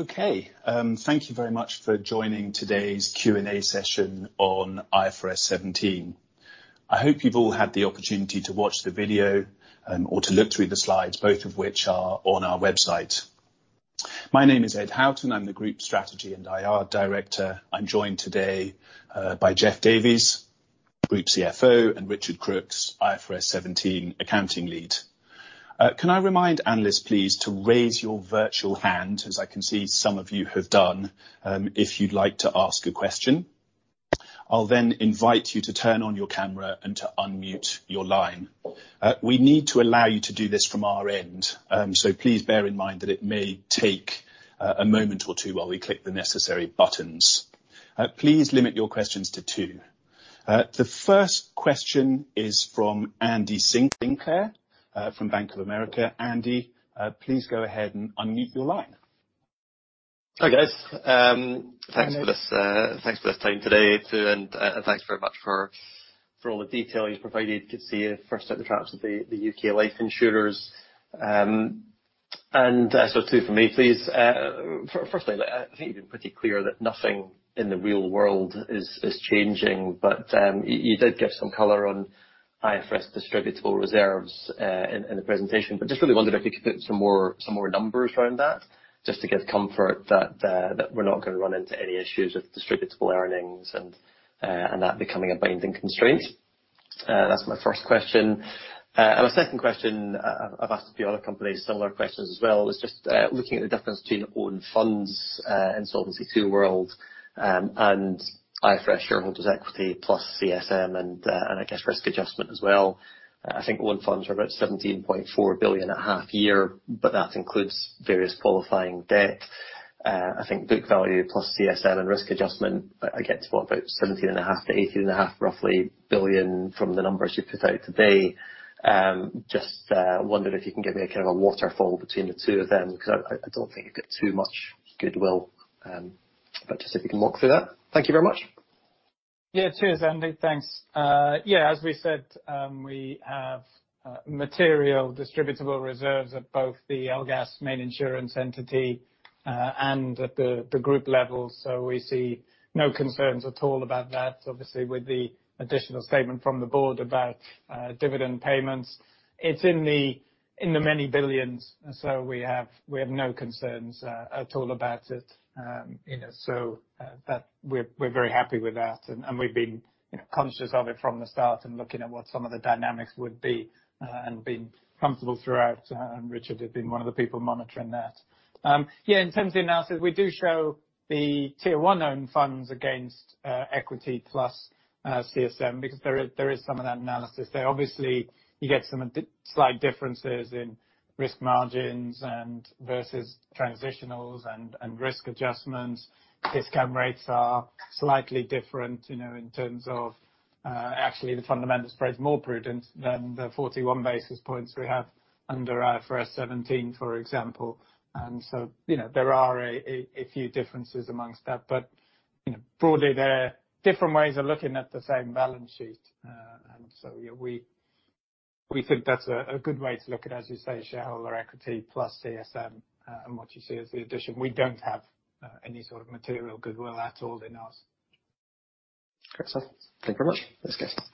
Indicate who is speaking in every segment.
Speaker 1: Okay. Thank you very much for joining today's Q&A session on IFRS 17. I hope you've all had the opportunity to watch the video, or to look through the slides, both of which are on our website. My name is Ed Houghton. I'm the Group Strategy and IR Director. I'm joined today, by Jeff Davies, Group CFO, and Richard Crooks, IFRS 17 Accounting Lead. Can I remind analysts, please, to raise your virtual hand, as I can see some of you have done, if you'd like to ask a question. I'll invite you to turn on your camera and to unmute your line. We need to allow you to do this from our end, please bear in mind that it may take a moment or two while we click the necessary buttons. Please limit your questions to two. The first question is from Andy Sinclair, from Bank of America. Andy, please go ahead and unmute your line.
Speaker 2: Hi, guys.
Speaker 3: Hi, Andy.
Speaker 2: Thanks for this time today, too, and thanks very much for all the detail you've provided to see first of the traps of the U.K. life insurers. Two from me, please. Firstly, I think you've been pretty clear that nothing in the real world is changing, but you did give some color on IFRS distributable reserves in the presentation. Just really wondered if you could put some more numbers around that just to give comfort that we're not gonna run into any issues with distributable earnings and that becoming a binding constraint. That's my first question. My second question, I've asked a few other companies similar questions as well, was just looking at the difference between own funds in Solvency II world and IFRS shareholders' equity plus CSM and I guess risk adjustment as well. I think own funds are about 17.4 billion at half year, but that includes various qualifying debt. I think book value plus CSM and risk adjustment, I get to what? About 17.5 billion-18.5 billion from the numbers you put out today. Just wondered if you can give me a kind of a waterfall between the two of them, 'cause I don't think you've got too much goodwill. Just if you can walk through that. Thank you very much.
Speaker 3: Cheers, Andy. Thanks. Yeah, as we said, we have material distributable reserves at both the LGAS main insurance entity and at the group level. We see no concerns at all about that. Obviously, with the additional statement from the board about dividend payments. It's in the many billions. We have no concerns at all about it. You know, so that. We're very happy with that, and we've been, you know, conscious of it from the start in looking at what some of the dynamics would be and been comfortable throughout. And Richard has been one of the people monitoring that. Yeah, in terms of the analysis, we do show the Tier 1 own funds against equity plus CSM because there is some of that analysis. You get some slight differences in risk margins and versus transitionals and risk adjustments. Discount rates are slightly different, you know, in terms of, actually the fundamental spread is more prudent than the 41 basis points we have under IFRS 17, for example. You know, there are a few differences amongst that. You know, broadly, they're different ways of looking at the same balance sheet. Yeah, we think that's a good way to look at, as you say, shareholder equity plus CSM, and what you see as the addition. We don't have any sort of material goodwill at all in us.
Speaker 2: Great. Thank you very much. Best regards.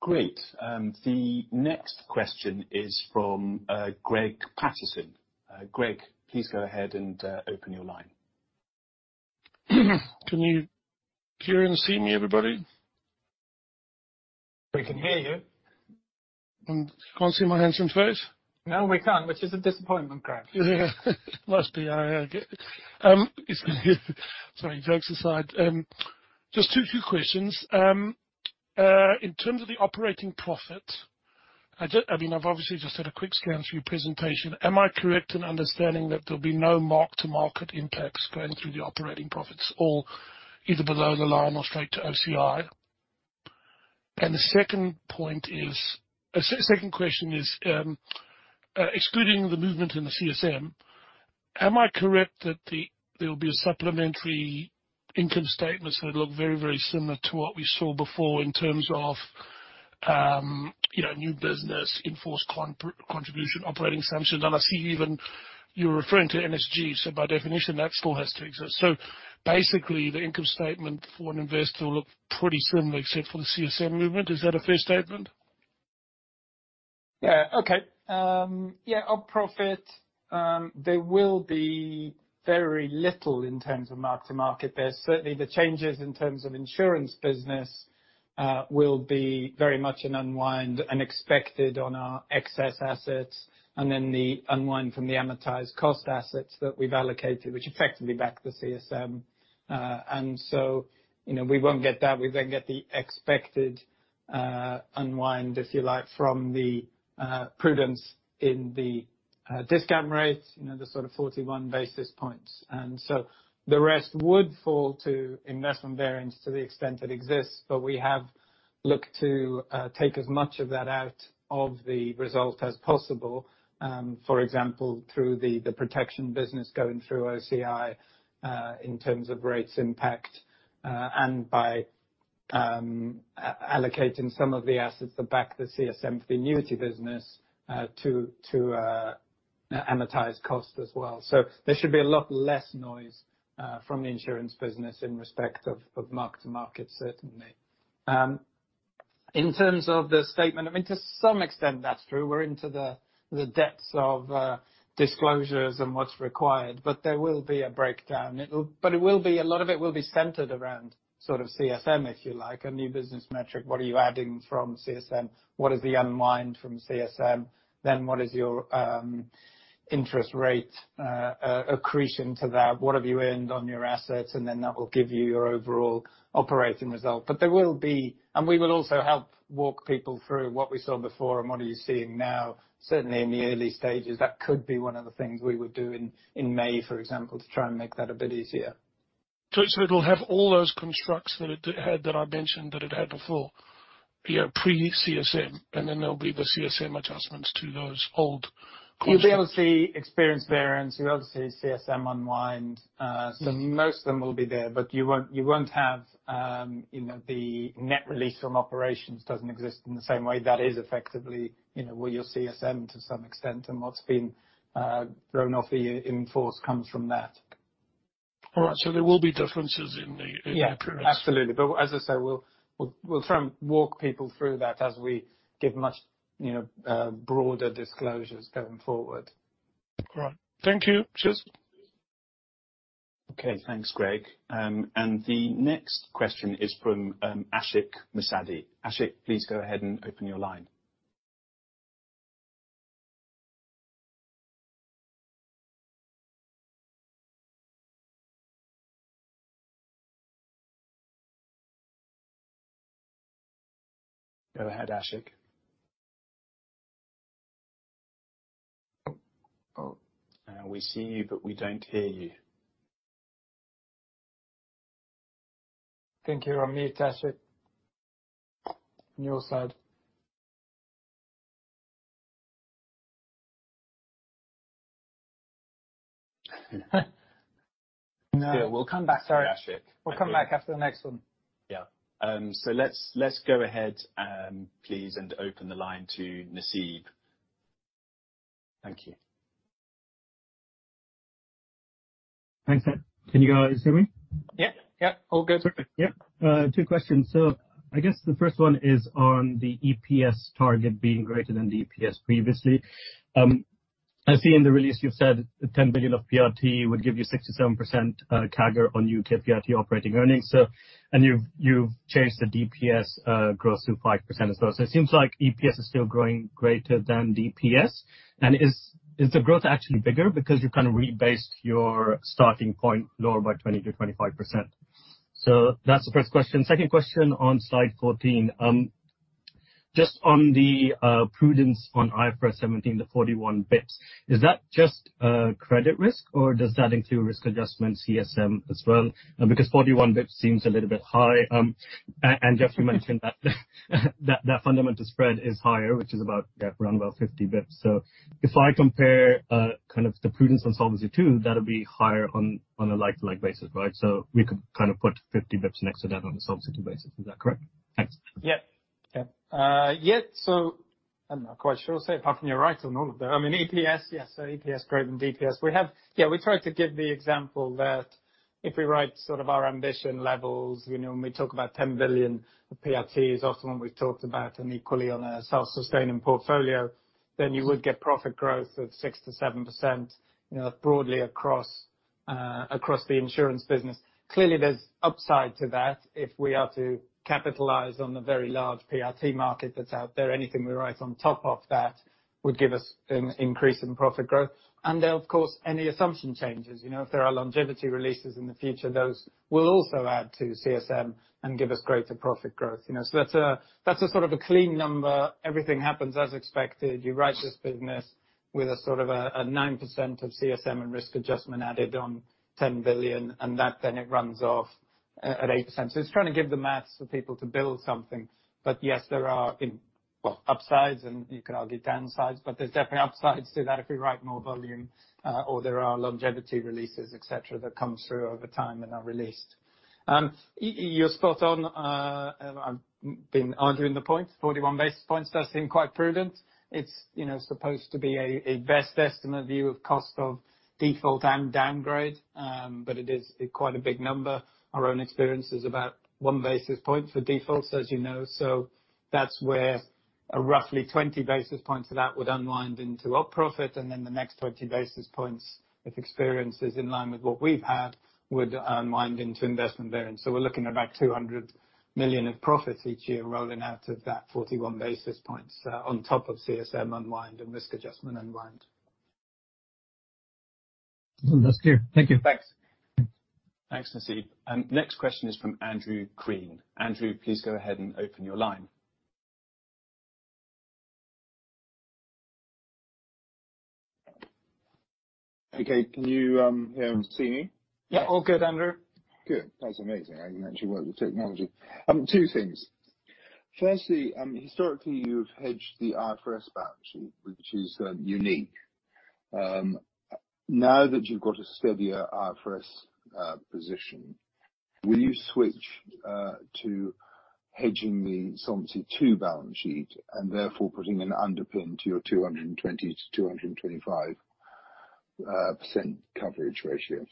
Speaker 1: Great. The next question is from, Greig Paterson. Greig, please go ahead and, open your line.
Speaker 4: Can you hear and see me, everybody?
Speaker 3: We can hear you.
Speaker 4: You can't see my handsome face?
Speaker 3: No, we can't, which is a disappointment, Greig.
Speaker 4: Yeah. Must be. I get... Sorry. Jokes aside, just two quick questions. In terms of the operating profit, I mean, I've obviously just had a quick scan through your presentation. Am I correct in understanding that there'll be no mark-to-market impacts going through the operating profits or either below the line or straight to OCI? The second point is, a second question is, excluding the movement in the CSM, am I correct that there'll be a supplementary income statement, so it'll look very, very similar to what we saw before in terms of, you know, new business, enforced contribution, operating assumption. I see even you're referring to NSG, so by definition, that still has to exist. Basically, the income statement for an investor will look pretty similar except for the CSM movement. Is that a fair statement?
Speaker 3: Yeah. Okay. Yeah, our profit, there will be very little in terms of mark to market there. Certainly, the changes in terms of insurance business, will be very much an unwind and expected on our excess assets, and then the unwind from the amortized cost assets that we've allocated, which effectively back the CSM. You know, we won't get that. We then get the expected unwind, if you like, from the prudence in the discount rate, you know, the sort of 41 basis points. The rest would fall to investment variance to the extent it exists, but we have looked to take as much of that out of the result as possible, for example, through the protection business going through OCI in terms of rates impact, and by allocating some of the assets that back the CSM for the annuity business to amortize cost as well. There should be a lot less noise from the insurance business in respect of mark-to-market, certainly. In terms of the statement, I mean, to some extent that's true. We're into the depths of disclosures and what's required, but there will be a breakdown. It will be, a lot of it will be centered around sort of CSM, if you like, a new business metric. What are you adding from CSM? What is the unwind from CSM? What is your interest rate accretion to that? What have you earned on your assets? That will give you your overall operating result. There will be, and we will also help walk people through what we saw before and what are you seeing now. Certainly in the early stages, that could be one of the things we would do in May, for example, to try and make that a bit easier.
Speaker 4: It'll have all those constructs that it had, that I mentioned that it had before, you know, pre-CSM, and then there'll be the CSM adjustments to those old constructs.
Speaker 3: You'll be able to see experience variance. You'll be able to see CSM unwind. Most of them will be there, but you won't, you won't have, you know, the net release from operations doesn't exist in the same way. That is effectively, you know, well, your CSM to some extent, and what's been thrown off the year in force comes from that.
Speaker 4: All right. There will be differences in the prudence.
Speaker 3: Yeah, absolutely. As I say, we'll try and walk people through that as we give much, you know, broader disclosures going forward.
Speaker 4: All right. Thank you. Cheers.
Speaker 1: Okay. Thanks, Greig. The next question is from Ashik Musaddi. Ashik, please go ahead and open your line. Go ahead, Ashik. Oh. We see you, but we don't hear you.
Speaker 3: I think you're on mute, Ashik, on your side. No.
Speaker 1: It's good. We'll come back to you, Ashik.
Speaker 3: Sorry. We'll come back after the next one.
Speaker 1: Yeah. Let's go ahead, please, and open the line to Nasib. Thank you.
Speaker 5: Thanks, Ed. Can you guys hear me?
Speaker 3: Yeah. Yeah.
Speaker 5: All good. Yeah. Two questions. I guess the first one is on the EPS target being greater than the EPS previously. I see in the release you've said 10 billion of PRT would give you 6%-7% CAGR on U.K. PRT operating earnings. You've changed the DPS growth to 5% as well. It seems like EPS is still growing greater than DPS. Is the growth actually bigger because you kind of rebased your starting point lower by 20%-25%? That's the first question. Second question on slide 14. Just on the prudence on IFRS 17, the 41 basis points. Is that just credit risk, or does that include risk adjustment CSM as well? Because 41 basis points seems a little bit high. Jeff, you mentioned that fundamental spread is higher, which is about, yeah, around about 50 basis points. If I compare, kind of the prudence on Solvency II, that'll be higher on a like-to-like basis, right? We could kind of put 50 basis points next to that on a solvency basis. Is that correct? Thanks.
Speaker 3: Yeah. Yeah, yeah, I'm not quite sure, say, apart from you're right on all of that. I mean, EPS, yes. EPS greater than DPS. Yeah, we tried to give the example that if we write sort of our ambition levels, you know, when we talk about 10 billion of PRT is often what we've talked about, and equally on a self-sustaining portfolio, then you would get profit growth of 6%-7%, you know, broadly across the insurance business. Clearly, there's upside to that if we are to capitalize on the very large PRT market that's out there. Anything we write on top of that would give us an increase in profit growth. Of course, any assumption changes. You know, if there are longevity releases in the future, those will also add to CSM and give us greater profit growth. You know, that's a, that's a sort of a clean number. Everything happens as expected. You write this business with a sort of a 9% of CSM and risk adjustment added on 10 billion, and that then it runs off at 8%. It's trying to give the maths for people to build something. Yes, there are well, upsides, and you could argue downsides, but there's definitely upsides to that if we write more volume, or there are longevity releases, et cetera, that come through over time and are released. You're spot on. I've been arguing the point. 41 basis points does seem quite prudent. It's, you know, supposed to be a best estimate view of cost of default and downgrade, but it is quite a big number. Our own experience is about one basis point for defaults, as you know. That's where roughly 20 basis points of that would unwind into op profit, and then the next 20 basis points, if experience is in line with what we've had, would unwind into investment variance. We're looking at about 200 million of profits each year rolling out of that 41 basis points on top of CSM unwind and risk adjustment unwind.
Speaker 5: That's clear. Thank you.
Speaker 3: Thanks.
Speaker 1: Thanks, Nasib. Next question is from Andrew Crean. Andrew, please go ahead and open your line.
Speaker 6: Okay. Can you hear and see me?
Speaker 3: Yeah. All good, Andrew.
Speaker 6: Good. That's amazing. I can actually work the technology. Two things. Firstly, historically, you've hedged the IFRS balance sheet, which is unique. Now that you've got a steadier IFRS position, will you switch to hedging the Solvency II balance sheet and therefore putting an underpin to your 220%-225% coverage ratio?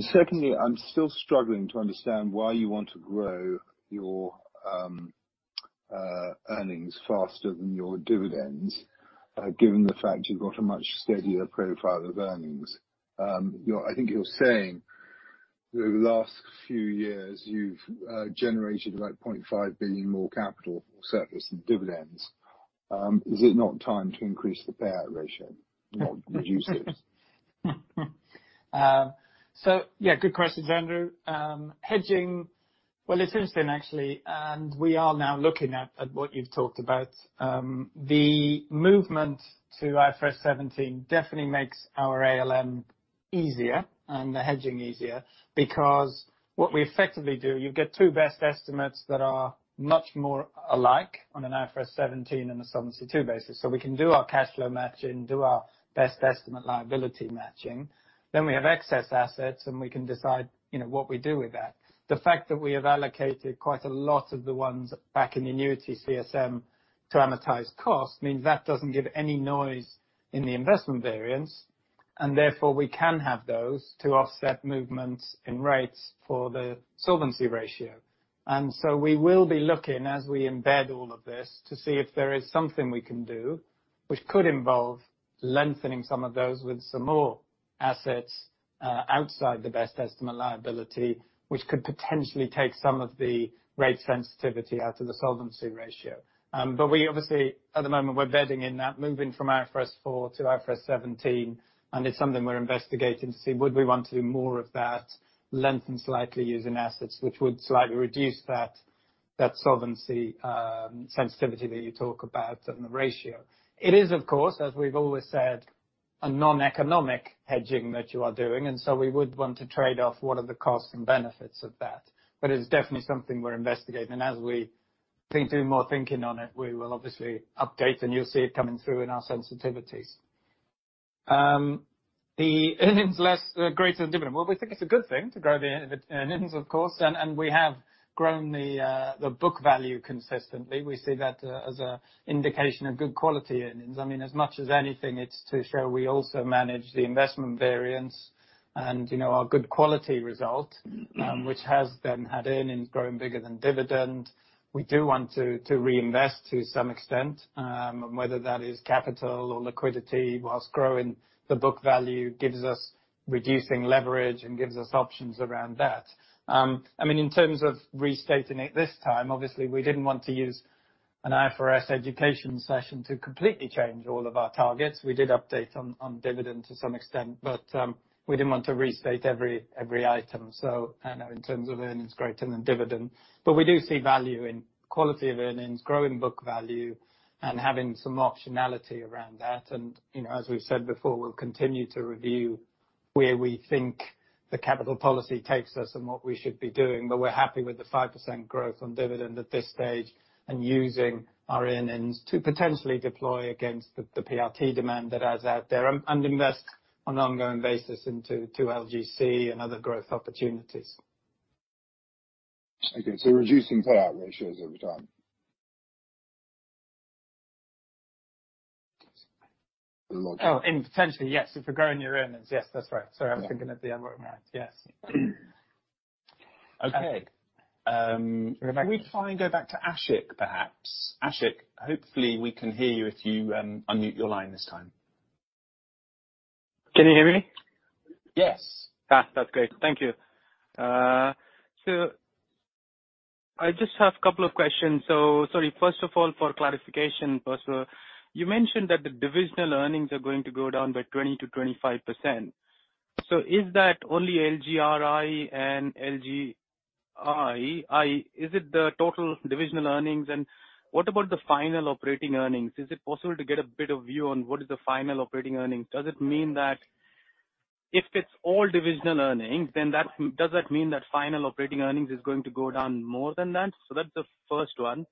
Speaker 6: Secondly, I'm still struggling to understand why you want to grow your earnings faster than your dividends, given the fact you've got a much steadier profile of earnings. You know, I think you're saying over the last few years you've generated about 0.5 billion more capital surplus than dividends. Is it not time to increase the payout ratio, not reduce it?
Speaker 3: Good question, Andrew. Hedging, well, it's interesting actually, we are now looking at what you've talked about. The movement to IFRS 17 definitely makes our ALM easier and the hedging easier because what we effectively do, you get two best estimates that are much more alike on an IFRS 17 and a Solvency II basis. We can do our cash flow matching, do our best estimate liability matching, then we have excess assets, we can decide, you know, what we do with that. The fact that we have allocated quite a lot of the ones back in the annuity CSM to amortized cost means that doesn't give any noise in the investment variance, therefore, we can have those to offset movements in rates for the solvency ratio. We will be looking as we embed all of this to see if there is something we can do, which could involve lengthening some of those with some more assets outside the best estimate liability, which could potentially take some of the rate sensitivity out of the solvency ratio. We obviously, at the moment, we're bedding in that, moving from IFRS 4 to IFRS 17, and it's something we're investigating to see would we want to do more of that, lengthen slightly using assets, which would slightly reduce that solvency sensitivity that you talk about and the ratio. It is, of course, as we've always said, a noneconomic hedging that you are doing, and so we would want to trade off what are the costs and benefits of that. It's definitely something we're investigating. As we think, do more thinking on it, we will obviously update, and you'll see it coming through in our sensitivities. The earnings less, greater than dividend. We think it's a good thing to grow the earnings, of course, and we have grown the book value consistently. We see that as a indication of good quality earnings. I mean, as much as anything, it's to show we also manage the investment variance and, you know, our good quality result, which has then had earnings growing bigger than dividend. We do want to reinvest to some extent, whether that is capital or liquidity, whilst growing the book value gives us reducing leverage and gives us options around that. I mean, in terms of restating it this time, obviously we didn't want to use an IFRS education session to completely change all of our targets. We did update on dividend to some extent, we didn't want to restate every item. I know in terms of earnings greater than dividend. We do see value in quality of earnings, growing book value, and having some optionality around that. You know, as we've said before, we'll continue to review where we think the capital policy takes us and what we should be doing. We're happy with the 5% growth on dividend at this stage and using our earnings to potentially deploy against the PRT demand that is out there and invest on an ongoing basis into LGC and other growth opportunities.
Speaker 6: Okay. Reducing payout ratios over time.
Speaker 3: Oh, potentially, yes. If we're growing your earnings. Yes, that's right. Sorry, I was thinking of the other one. Yes.
Speaker 1: Okay. Can we try and go back to Ashik, perhaps? Ashik, hopefully, we can hear you if you unmute your line this time.
Speaker 7: Can you hear me?
Speaker 1: Yes.
Speaker 7: That's great. Thank you. I just have a couple of questions. Sorry, first of all, for clarification, first of all, you mentioned that the divisional earnings are going to go down by 20%-25%. Is that only LGRI and LGRR? Is it the total divisional earnings? What about the final operating earnings? Is it possible to get a bit of view on what is the final operating earnings? Does it mean that if it's all divisional earnings, does that mean that final operating earnings is going to go down more than that? That's the first one.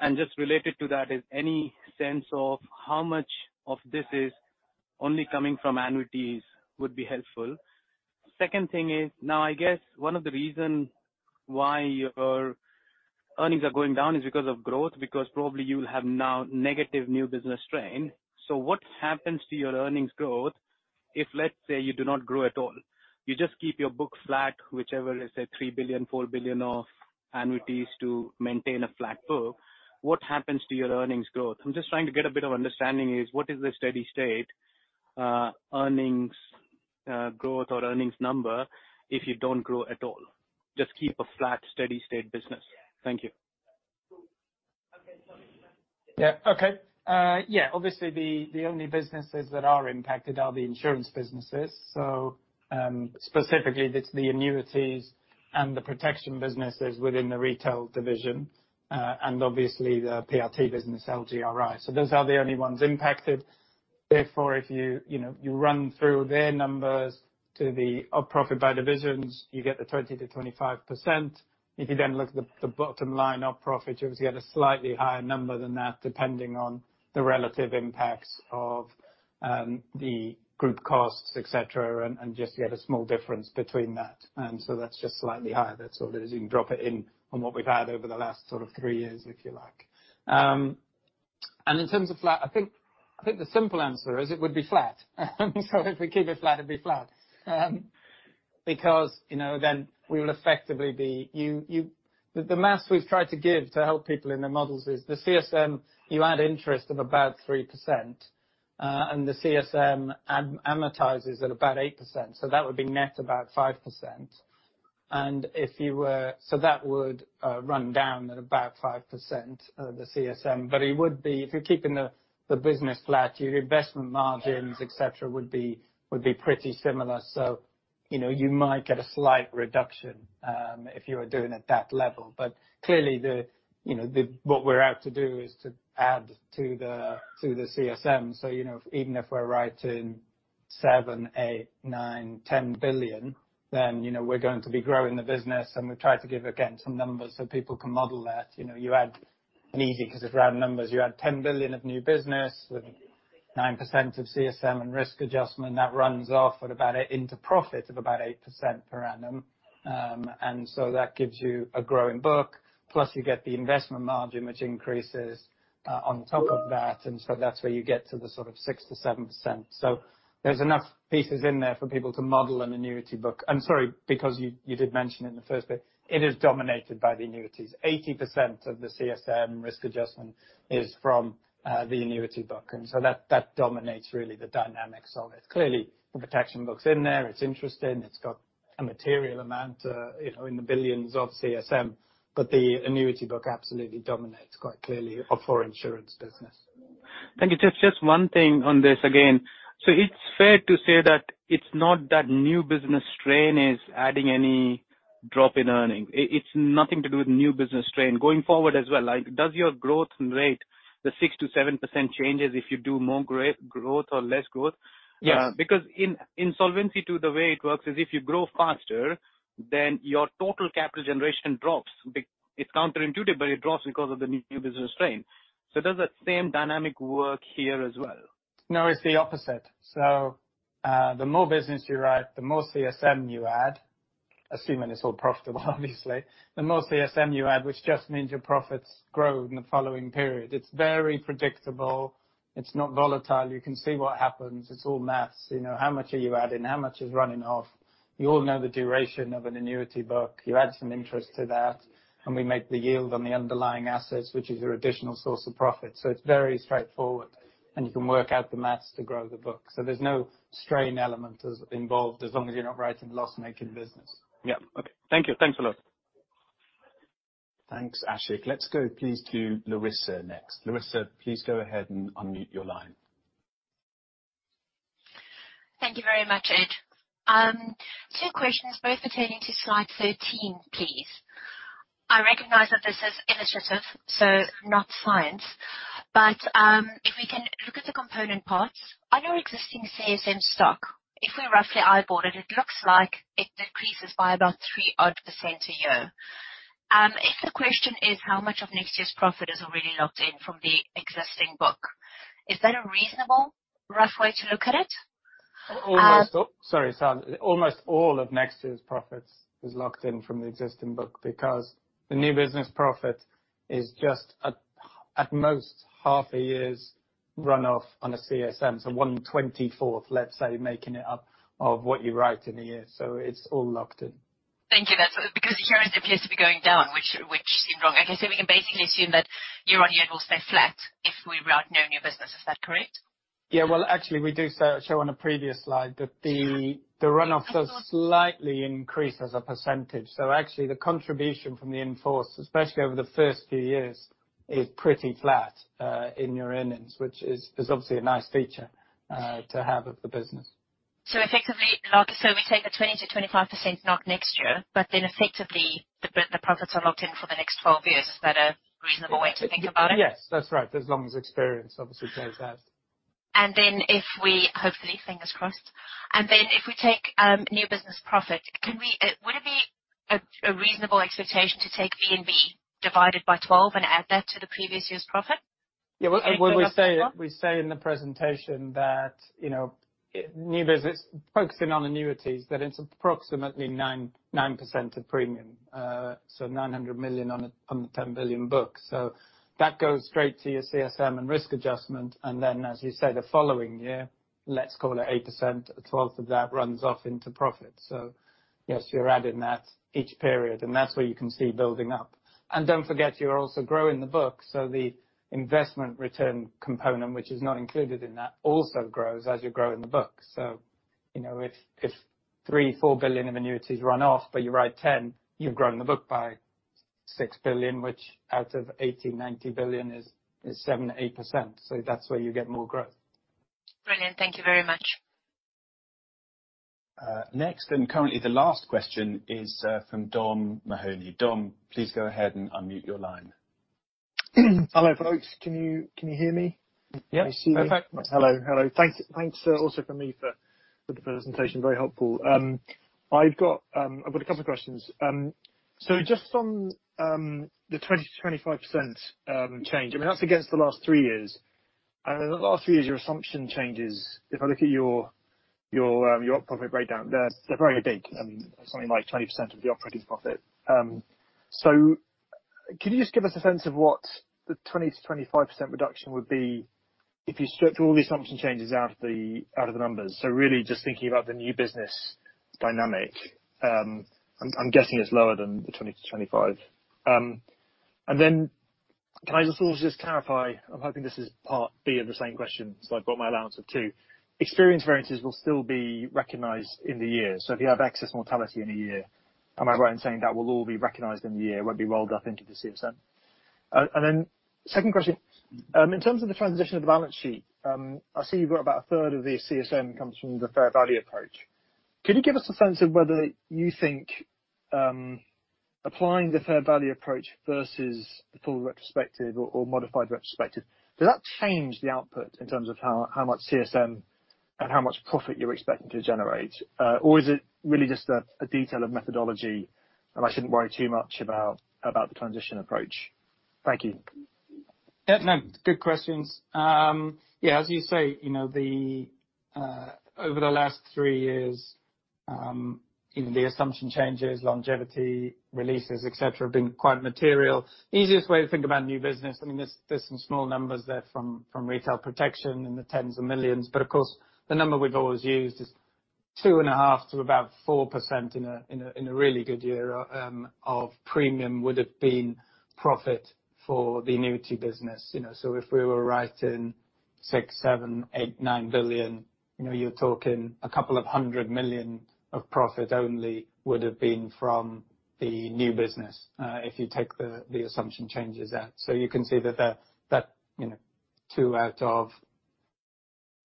Speaker 7: And just related to that is any sense of how much of this is only coming from annuities would be helpful. Second thing is, now, I guess one of the reason why your earnings are going down is because of growth, because probably you'll have now negative new business strain. What happens to your earnings growth if, let's say, you do not grow at all? You just keep your book flat, whichever is, say, 3 billion, 4 billion of annuities to maintain a flat book. What happens to your earnings growth? I'm just trying to get a bit of understanding is what is the steady-state earnings growth or earnings number if you don't grow at all? Just keep a flat steady-state business. Thank you.
Speaker 3: Yeah. Okay. Yeah. Obviously, the only businesses that are impacted are the insurance businesses. So, specifically, it's the annuities and the protection businesses within the retail division, and obviously the PRT business, LGRI. So those are the only ones impacted. If you know, you run through their numbers to the profit by divisions, you get the 20%-25%. If you then look at the bottom line of profits, you obviously get a slightly higher number than that, depending on the relative impacts of the group costs, et cetera, and just you get a small difference between that. That's just slightly higher. That's sort of it. You can drop it in on what we've had over the last sort of three years, if you like. In terms of flat, I think the simple answer is it would be flat. If we keep it flat, it'd be flat. Because, you know, then we will effectively be the maths we've tried to give to help people in their models is the CSM, you add interest of about 3%. The CSM amortizes at about 8%, so that would be net about 5%. That would run down at about 5%, the CSM, but it would be, if you're keeping the business flat, your investment margins, et cetera, would be pretty similar. You know, you might get a slight reduction, if you were doing it at that level. Clearly the, you know, the, what we're out to do is to add to the CSM. You know, even if we're writing 7 billion, 8 billion, 9 billion, 10 billion, then, you know, we're going to be growing the business and we've tried to give, again, some numbers so people can model that. You know, you add need, because of round numbers, you add 10 billion of new business with 9% of CSM and risk adjustment that runs off at about into profit of about 8% per annum. That gives you a growing book, plus you get the investment margin, which increases on top of that. That's where you get to the sort of 6%-7%. There's enough pieces in there for people to model an annuity book. Sorry, because you did mention in the first bit, it is dominated by the annuities. 80% of the CSM risk adjustment is from the annuity book. That dominates really the dynamics of it. Clearly, the protection book's in there, it's interesting, it's got a material amount, you know, in the billions of CSM, but the annuity book absolutely dominates quite clearly of our insurance business.
Speaker 7: Thank you. Just one thing on this again. It's fair to say that it's not that new business strain is adding any drop in earning. It's nothing to do with new business strain. Going forward as well, like, does your growth rate, the 6%-7% changes if you do more growth or less growth?
Speaker 3: Yes.
Speaker 7: Because in Solvency II the way it works is if you grow faster, then your total capital generation drops. It's counterintuitive, but it drops because of the new business strain. Does that same dynamic work here as well?
Speaker 3: No, it's the opposite. The more business you write, the more CSM you add, assuming it's all profitable, obviously. The more CSM you add, which just means your profits grow in the following period. It's very predictable. It's not volatile. You can see what happens. It's all math. You know, how much are you adding? How much is running off? You all know the duration of an annuity book. You add some interest to that, and we make the yield on the underlying assets, which is your additional source of profit. it's very straightforward, and you can work out the math to grow the book. there's no strain element as involved as long as you're not writing loss-making business.
Speaker 7: Okay. Thank you. Thanks a lot.
Speaker 1: Thanks, Ashik. Let's go, please, to Larissa next. Larissa, please go ahead and unmute your line.
Speaker 8: Thank you very much, Ed. Two questions, both pertaining to slide 13, please. I recognize that this is initiative, so not science. If we can look at the component parts, on our existing CSM stock, if we roughly eyeball it looks like it decreases by about 3 odd percent a year. If the question is how much of next year's profit is already locked in from the existing book, is that a reasonable rough way to look at it?
Speaker 3: Oh, sorry, Lar. Almost all of next year's profits is locked in from the existing book because the new business profit is just at most half a year's run off on a CSM. So 1/24th, let's say, making it up of what you write in a year. It's all locked in.
Speaker 8: Thank you. That's because here it appears to be going down, which seemed wrong. Okay, we can basically assume that year on year it will stay flat if we write no new business. Is that correct?
Speaker 3: Actually, we show on a previous slide. The run-off does slightly increase as a percentage. Actually the contribution from the in-force, especially over the first few years, is pretty flat in your earnings, which is obviously a nice feature to have of the business.
Speaker 8: Effectively, we take a 20%-25% knock next year, effectively the profits are locked in for the next 12 years. Is that a reasonable way to think about it?
Speaker 3: Yes, that's right. As long as experience obviously plays out.
Speaker 8: Hopefully, fingers crossed. If we take new business profit, can we, would it be a reasonable expectation to take VNB divided by 12 and add that to the previous year's profit?
Speaker 3: Yeah. Well, we say in the presentation that, you know, new business, focusing on annuities, that it's approximately 9% of premium. 900 million on a 10 billion book. That goes straight to your CSM and risk adjustment, and then as you say, the following year, let's call it 8%, a 12th of that runs off into profit. Yes, you're adding that each period, and that's where you can see building up. Don't forget, you're also growing the book, so the investment return component, which is not included in that, also grows as you're growing the book. You know, if 3 billion-4 billion of annuities run off, but you write 10, you've grown the book by 6 billion, which out of 80 billion-90 billion is 7%-8%. That's where you get more growth.
Speaker 8: Brilliant. Thank you very much.
Speaker 1: Next and currently the last question is from Dom O'Mahony. Dom, please go ahead and unmute your line.
Speaker 9: Hello, folks. Can you hear me?
Speaker 3: Yeah.
Speaker 9: Can you see me?
Speaker 3: Perfect.
Speaker 9: Hello, hello. Thanks, also from me for the presentation. Very helpful. I've got a couple of questions. just on the 20%-25% change, I mean, that's against the last three years. In the last three years, your assumption changes. If I look at your Op profit breakdown, they're very big, something like 20% of the operating profit. can you just give us a sense of what the 20%-25% reduction would be if you stripped all the assumption changes out of the numbers? Really just thinking about the new business dynamic, I'm guessing it's lower than the 20%-25%. Can I just also just clarify, I'm hoping this is part B of the same question, so I've got my allowance of two. Experience variances will still be recognized in the year. If you have excess mortality in a year, am I right in saying that will all be recognized in the year, it won't be rolled up into the CSM? Second question. In terms of the transition of the balance sheet, I see you've got about 1/3 of the CSM comes from the fair value approach. Can you give us a sense of whether you think applying the fair value approach versus the full retrospective or modified retrospective, does that change the output in terms of how much CSM and how much profit you're expecting to generate? Is it really just a detail of methodology and I shouldn't worry too much about the transition approach? Thank you.
Speaker 3: No, good questions. As you say, you know, over the last three years, you know, the assumption changes, longevity, releases, et cetera, have been quite material. Easiest way to think about new business, I mean, there's some small numbers there from retail protection in the GBP tens of millions, but of course, the number we've always used is 2.5%-4% in a really good year of premium would've been profit for the annuity business, you know. If we were writing 6 billion, 7 billion, 8 billion, 9 billion, you know, you're talking GBP a couple of hundred million of profit only would've been from the new business if you take the assumption changes out. You can see that, you know, two out of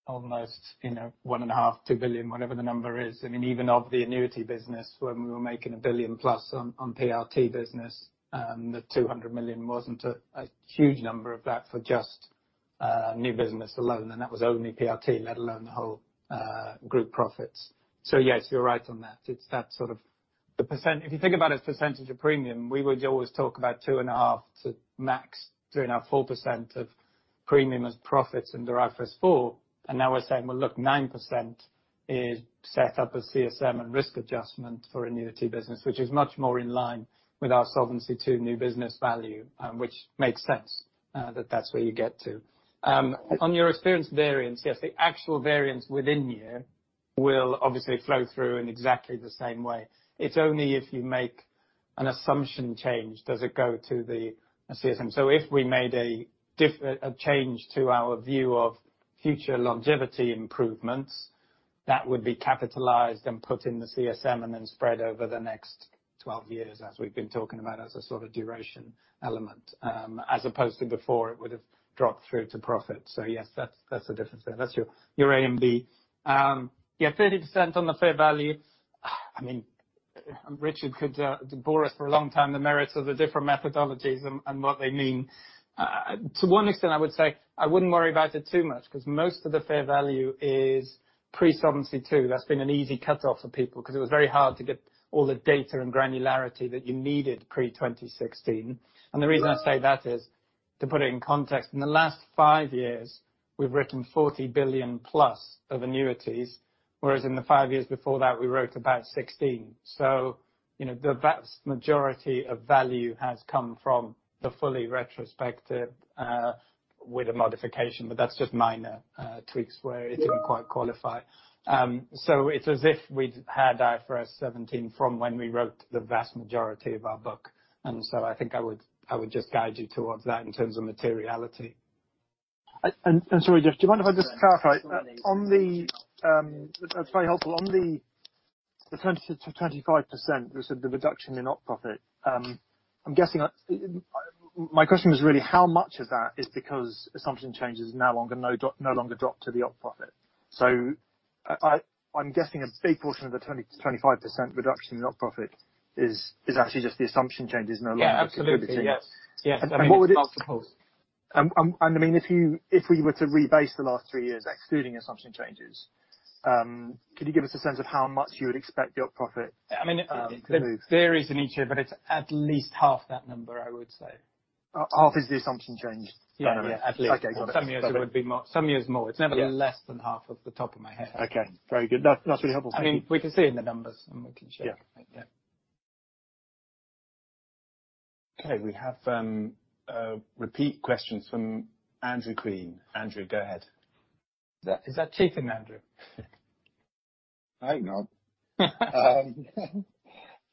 Speaker 3: almost, you know, 1.5 billion-2 billion, whatever the number is, I mean, even of the annuity business, when we were making a 1+ billion on PRT business, the 200 million wasn't a huge number of that for just new business alone, and that was only PRT, let alone the whole group profits. Yes, you're right on that. It's that sort of the percent... If you think about it as percentage of premium, we would always talk about 2.5% to max 3.5%, 4% of premium as profits in the IFRS 4. Now we're saying, well, look, 9% is set up as CSM and risk adjustment for annuity business, which is much more in line with our Solvency II new business value, which makes sense that that's where you get to. On your experience variance, yes, the actual variance within year will obviously flow through in exactly the same way. It's only if you make an assumption change does it go to the CSM. If we made a change to our view of future longevity improvements, that would be capitalized and put in the CSM and then spread over the next 12 years, as we've been talking about as a sort of duration element, as opposed to before, it would've dropped through to profit. Yes, that's the difference there. That's your A and B. Yeah, 30% on the fair value. I mean, Richard could bore us for a long time the merits of the different methodologies and what they mean. To one extent, I would say I wouldn't worry about it too much, 'cause most of the fair value is pre-Solvency II. That's been an easy cutoff for people, 'cause it was very hard to get all the data and granularity that you needed pre-2016. The reason I say that is, to put it in context, in the last five years, we've written 40+ billion of annuities, whereas in the five years before that, we wrote about 16 billion. You know, the vast majority of value has come from the fully retrospective, with a modification, but that's just minor, tweaks where it didn't quite qualify. It's as if we'd had IFRS 17 from when we wrote the vast majority of our book, and so I think I would, I would just guide you towards that in terms of materiality.
Speaker 9: Sorry, just do you mind if I just clarify? On the, that's very helpful. On the 20%-25%, you said the reduction in op profit, I'm guessing. My question was really how much of that is because assumption changes no longer drop to the op profit? I'm guessing a big portion of the 20%-25% reduction in op profit is actually just the assumption changes no longer contributing.
Speaker 3: Yeah, absolutely. Yes. Yes.
Speaker 9: What would.
Speaker 3: That's half the cost.
Speaker 9: I mean, if we were to rebase the last three years excluding assumption changes, could you give us a sense of how much you would expect the op profit to move?
Speaker 3: I mean, it varies in each year, but it's at least half that number, I would say.
Speaker 9: Half is the assumption change?
Speaker 3: Yeah.
Speaker 9: Got it.
Speaker 3: At least.
Speaker 9: Okay, got it.
Speaker 3: Some years it would be more, some years more.
Speaker 9: Yeah.
Speaker 3: It's never less than half of the top of my head.
Speaker 9: Okay, very good. That's really helpful. Thank you.
Speaker 3: I mean, we can see it in the numbers and we can share.
Speaker 9: Yeah.
Speaker 3: Yeah.
Speaker 1: Okay. We have a repeat questions from Andrew Crean. Andrew, go ahead.
Speaker 3: Is that Chief Andrew?
Speaker 6: I hope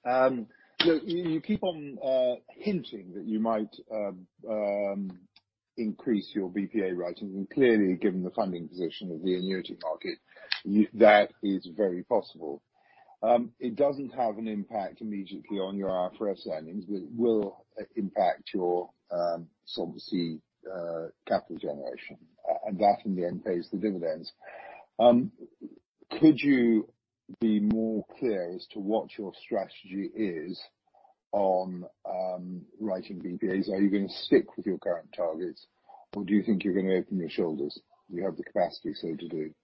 Speaker 6: not. Look, you keep on hinting that you might increase your BPA writings, clearly, given the funding position of the annuity market, that is very possible. It doesn't have an impact immediately on your IFRS earnings, but it will impact your solvency capital generation. That in the end pays the dividends. Could you be more clear as to what your strategy is on writing BPAs? Are you gonna stick with your current targets or do you think you're gonna open your shoulders? You have the capacity so to do.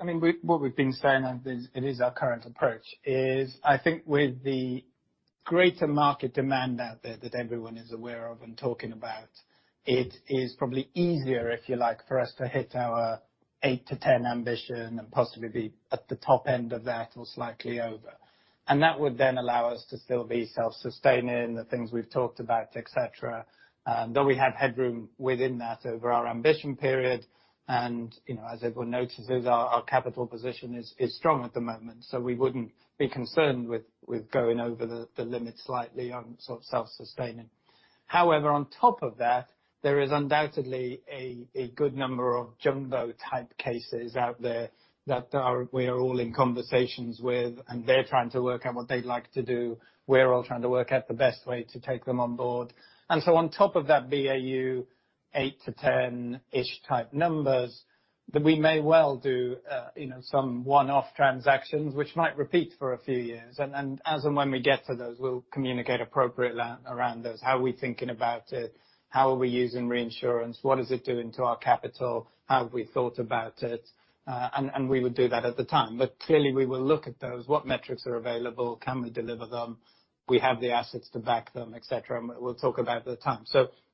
Speaker 3: I mean, what we've been saying, and it is our current approach, is I think with the greater market demand out there that everyone is aware of and talking about, it is probably easier, if you like, for us to hit our eight to 10 ambition and possibly be at the top end of that or slightly over. That would then allow us to still be self-sustaining, the things we've talked about, et cetera, though we have headroom within that over our ambition period. You know, as everyone notices, our capital position is strong at the moment, so we wouldn't be concerned with going over the limit slightly on sort of self-sustaining. However, on top of that, there is undoubtedly a good number of jumbo type cases out there that we're all in conversations with, and they're trying to work out what they'd like to do. We're all trying to work out the best way to take them on board. On top of that BAU eight to 10ish type numbers, that we may well do, you know, some one-off transactions which might repeat for a few years. As and when we get to those, we'll communicate appropriately around those, how we're thinking about it, how are we using reinsurance, what is it doing to our capital, how have we thought about it, and we would do that at the time. Clearly, we will look at those, what metrics are available, can we deliver them, we have the assets to back them, et cetera, and we'll talk about the time.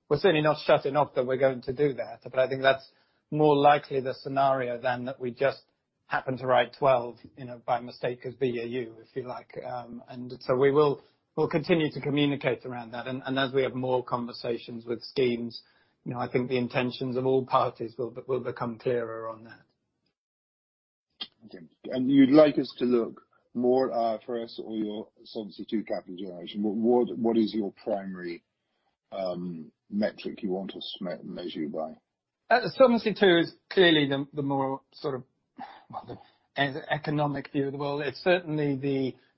Speaker 3: We're certainly not shutting off that we're going to do that, but I think that's more likely the scenario than that we just happen to write 12, you know, by mistake as BAU, if you like. We will continue to communicate around that. As we have more conversations with schemes, you know, I think the intentions of all parties will become clearer on that.
Speaker 6: Okay. You'd like us to look more at IFRS or your Solvency II capital generation. What is your primary metric you want us measured by?
Speaker 3: Solvency II is clearly the more sort of, well, the economic view of the world. It's certainly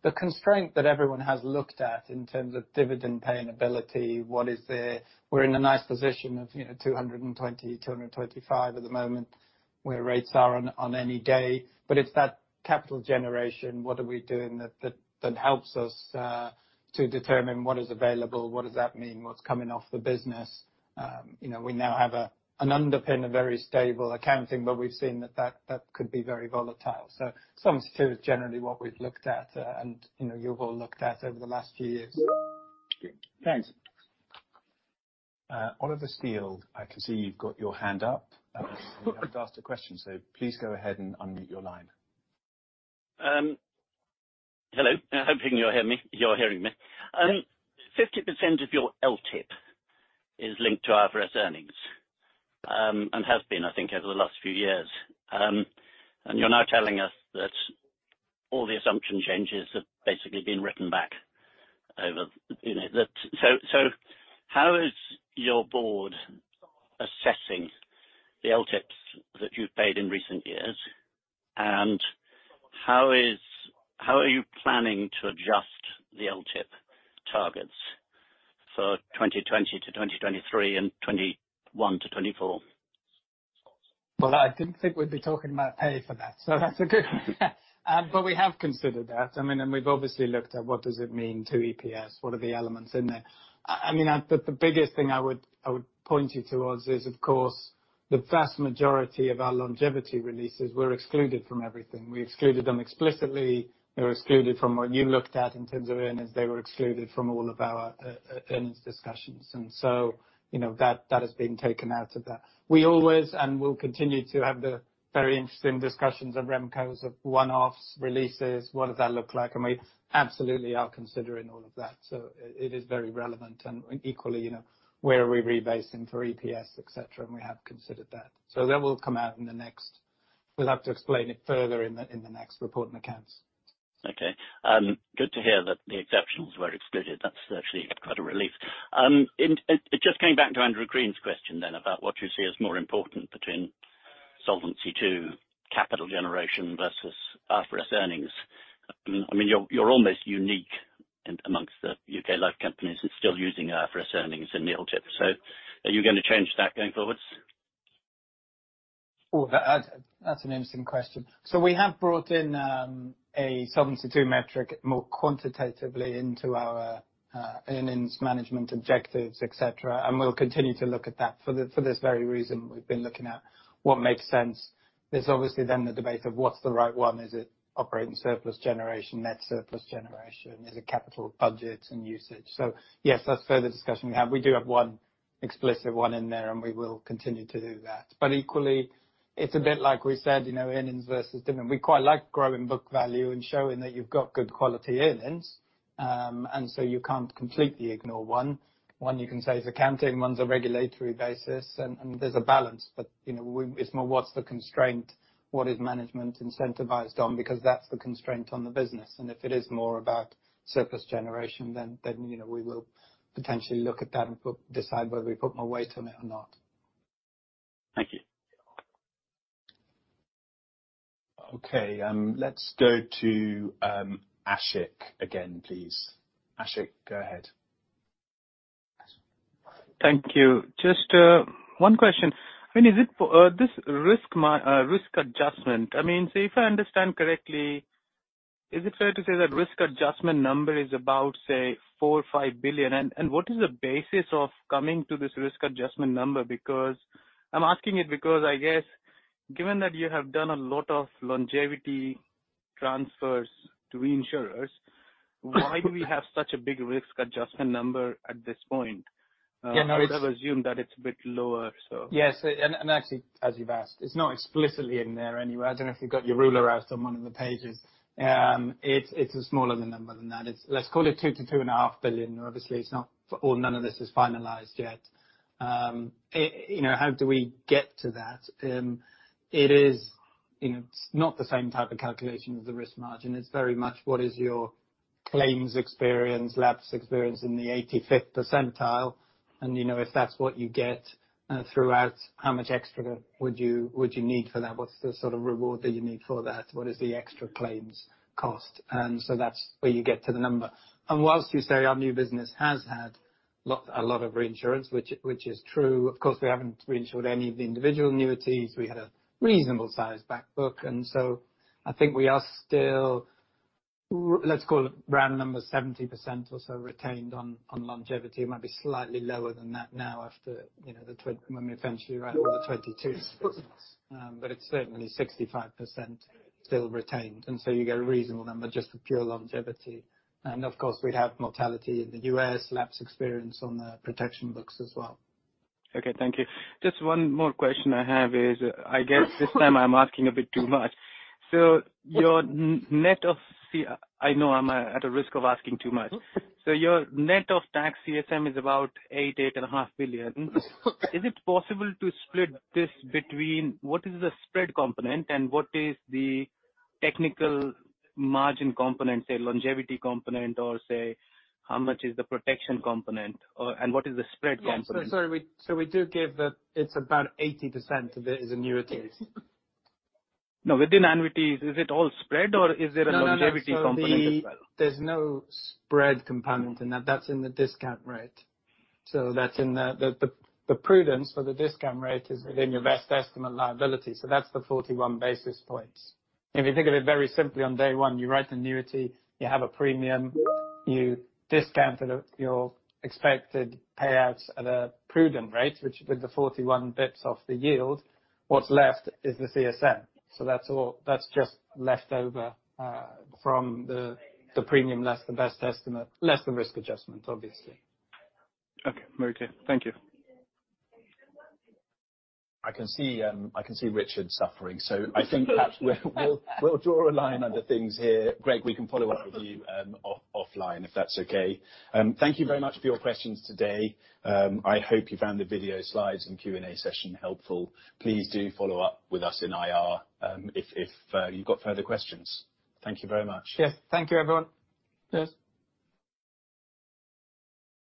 Speaker 3: the constraint that everyone has looked at in terms of dividend-paying ability. We're in a nice position of, you know, 220, 225 at the moment, where rates are on any day. It's that capital generation, what are we doing that helps us to determine what is available, what does that mean, what's coming off the business. You know, we now have a, an underpin, a very stable accounting, but we've seen that could be very volatile. Solvency II is generally what we've looked at, and, you know, you've all looked at over the last few years.
Speaker 6: Thanks.
Speaker 1: Oliver Steele, I can see you've got your hand up. You haven't asked a question, please go ahead and unmute your line.
Speaker 10: Hello. Hoping you'll hear me, you're hearing me. 50% of your LTIP is linked to IFRS earnings, and has been, I think, over the last few years. You're now telling us that all the assumption changes have basically been written back over, you know. How is your board assessing the LTIPs that you've paid in recent years? How are you planning to adjust the LTIP targets for 2020-2023 and 2021-2024?
Speaker 3: Well, I didn't think we'd be talking about pay for that, so that's a good. We have considered that. I mean, the biggest thing I would point you towards is, of course, the vast majority of our longevity releases were excluded from everything. We excluded them explicitly. They were excluded from what you looked at in terms of earnings. They were excluded from all of our earnings discussions. You know, that has been taken out of that. We always, and will continue to, have the very interesting discussions of RemCos, of one-offs, releases, what does that look like, and we absolutely are considering all of that. It is very relevant and equally, you know, where are we rebasing for EPS, et cetera, and we have considered that. That will come out in the next. We'll have to explain it further in the next report and accounts.
Speaker 10: Good to hear that the exceptionals were excluded. That's actually quite a relief. In, just going back to Andrew Crean's question then about what you see as more important between Solvency II capital generation versus IFRS earnings. I mean, you're almost unique amongst the U.K. life companies in still using IFRS earnings in the LTIP. Are you gonna change that going forwards?
Speaker 3: Well, that's an interesting question. We have brought in a Solvency II metric more quantitatively into our earnings management objectives, et cetera, and we'll continue to look at that. For this very reason, we've been looking at what makes sense. There's obviously then the debate of what's the right one. Is it operating surplus generation, net surplus generation? Is it capital budget and usage? Yes, that's further discussion we have. We do have one explicit one in there, and we will continue to do that. Equally, it's a bit like we said, you know, earnings versus dividend. We quite like growing book value and showing that you've got good quality earnings. You can't completely ignore one. One, you can say, is accounting, one's a regulatory basis. There's a balance, but, you know, it's more what's the constraint? What is management incentivized on? That's the constraint on the business. If it is more about surplus generation, then, you know, we will potentially look at that and decide whether we put more weight on it or not. Thank you.
Speaker 1: Okay. let's go to Ashik again, please. Ashik, go ahead.
Speaker 7: Thank you. Just one question. I mean, is it for this risk adjustment, I mean, if I understand correctly, is it fair to say that risk adjustment number is about, say, 4 billion or 5 billion? What is the basis of coming to this risk adjustment number? I'm asking it because I guess given that you have done a lot of longevity transfers to insurers, why do we have such a big risk adjustment number at this point?
Speaker 3: Yeah, no, it's-
Speaker 7: I would have assumed that it's a bit lower, so.
Speaker 3: Yes. Actually, as you've asked, it's not explicitly in there anywhere. I don't know if you've got your ruler out on one of the pages. It's a smaller than number than that. Let's call it 2 billion-2.5 billion. Obviously, none of this is finalized yet. You know, how do we get to that? It is, you know, not the same type of calculation as the risk margin. It's very much what is your claims experience, labs experience in the 85th percentile and, you know, if that's what you get throughout, how much extra would you, would you need for that? What's the sort of reward that you need for that? What is the extra claims cost? That's where you get to the number. Whilst you say our new business has a lot of reinsurance, which is true, of course, we haven't reinsured any of the individual annuities. We had a reasonable size back book. I think we are still let's call it round number 70% or so retained on longevity. It might be slightly lower than that now after, you know, when we eventually round off the 2022s business. It's certainly 65% still retained. You get a reasonable number just for pure longevity. Of course, we'd have mortality in the U.S., lapse experience on the protection books as well.
Speaker 7: Okay, thank you. Just one more question I have is, I guess this time I'm asking a bit too much. I know I'm at a risk of asking too much. Your net of tax CSM is about 8.5 billion. Is it possible to split this between what is the spread component and what is the technical margin component, say, longevity component or say how much is the protection component or what is the spread component?
Speaker 3: Yeah. sorry. we do give that it's about 80% of it is annuities.
Speaker 7: No, within annuities, is it all spread or is there a longevity component as well?
Speaker 3: No, no. There's no spread component in that. That's in the discount rate. The prudence for the discount rate is within your best estimate liability. That's the 41 basis points. If you think of it very simply on day one, you write annuity, you have a premium, you discount it at your expected payouts at a prudent rate, which with the 41 bits off the yield, what's left is the CSM. That's all. That's just left over from the premium less the best estimate, less the risk adjustment, obviously.
Speaker 7: Okay. Very okay. Thank you.
Speaker 1: I can see, I can see Richard suffering. I think perhaps we'll draw a line under things here. Greig, we can follow up with you offline, if that's okay. Thank you very much for your questions today. I hope you found the video, slides and Q&A session helpful. Please do follow up with us in IR, if you've got further questions. Thank you very much.
Speaker 3: Yes. Thank you, everyone. Cheers.